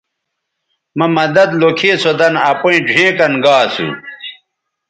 مہ مدد لوکھی سو دَن اپیئں ڙھیئں کَن گا اسو